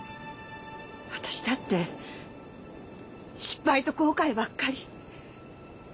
私だって失敗と後悔ばっかり。